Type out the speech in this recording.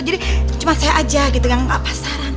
jadi cuma saya aja gitu kan gak pasaran